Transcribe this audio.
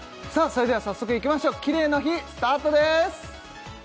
それでは早速いきましょうキレイの日スタートです